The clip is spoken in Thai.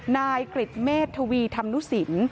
นายกริจเมษทวีธรรมนุสิน